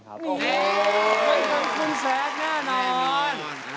ไม่ทำคุณแซะแน่นอน